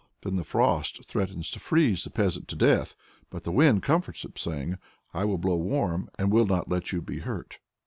Then the Frost threatens to freeze the peasant to death, but the Wind comforts him, saying, "I will blow warm, and will not let you be hurt."